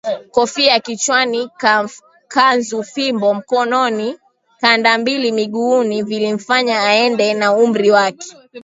kofia kichwanikanzufimbo mkononikandambili miguuni vilimfanya aendane na umri wake